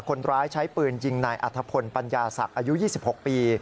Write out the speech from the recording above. คนร้ายใช้ปืนยิงนายอัธพลปัญญาศักดิ์อายุ๒๖ปี